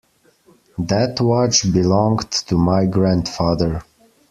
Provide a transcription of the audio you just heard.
That watch belonged to my grandfather.